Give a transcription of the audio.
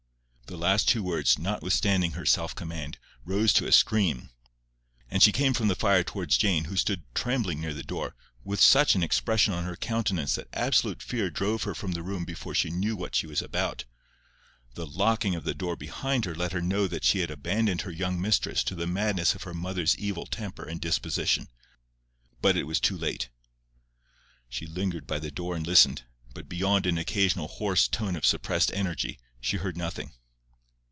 The last two words, notwithstanding her self command, rose to a scream. And she came from the fire towards Jane, who stood trembling near the door, with such an expression on her countenance that absolute fear drove her from the room before she knew what she was about. The locking of the door behind her let her know that she had abandoned her young mistress to the madness of her mother's evil temper and disposition. But it was too late. She lingered by the door and listened, but beyond an occasional hoarse tone of suppressed energy, she heard nothing.